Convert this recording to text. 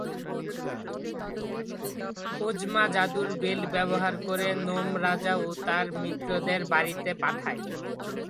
ওজমা জাদুর বেল্ট ব্যবহার করে নোম রাজা এবং তার মিত্রদের বাড়িতে পাঠায়।